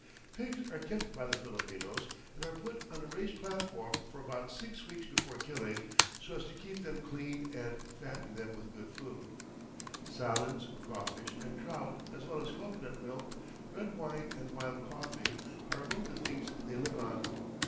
Pigs are kept by the Filipinos, and are put on a raised platform for about six weeks before killing, so as to keep them clean and fatten them with good food. Salads, crawfish and trout, as well as cocoanut milk, red wine and wild coffee, are among the things they live on.